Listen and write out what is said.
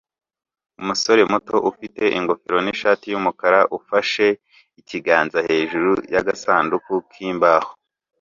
Umusore muto ufite ingofero nishati yumukara ufashe ikiganza hejuru yagasanduku k'imbaho